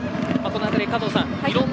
このあたり、加藤さん